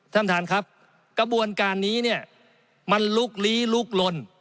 ท่านประธานครับกระบวนการนี้เนี่ยมันลุกลี้ลุกลน